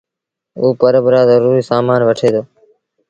اوٚ پرٻ لآ زروٚريٚ سآمآݩ وٺي